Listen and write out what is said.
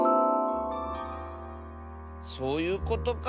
そういうことか。